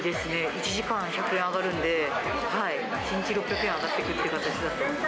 １時間１００円上がるんで、１日６００円上がっていくという形だと思います。